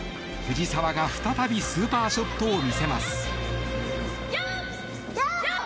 藤澤が再びスーパーショットを見せます。